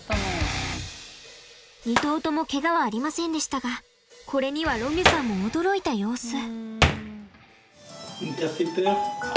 ２頭ともケガはありませんでしたがこれにはロミュさんも驚いた様子。